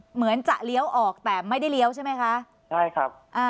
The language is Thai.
เหมือนจะเลี้ยวออกแต่ไม่ได้เลี้ยวใช่ไหมคะใช่ครับอ่า